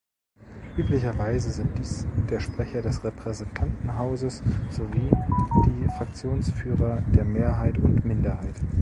Üblicherweise sind dies der Sprecher des Repräsentantenhauses sowie die Fraktionsführer der Mehrheit und Minderheit.